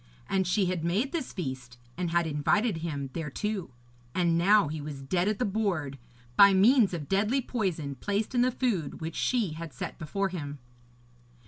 And she had made this feast, and had invited him thereto, and now he was dead at the board, by means of deadly poison placed in the food which she had set before him.